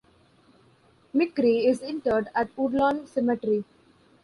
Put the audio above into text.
McCree is interred at Woodlawn Cemetery.